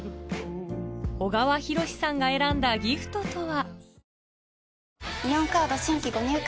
小川紘司さんが選んだギフトとは？